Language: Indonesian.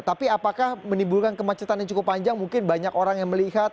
tapi apakah menimbulkan kemacetan yang cukup panjang mungkin banyak orang yang melihat